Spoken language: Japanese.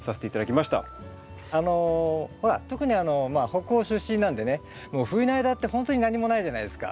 あのほら特に北欧出身なんでねもう冬の間ってほんとに何もないじゃないですか。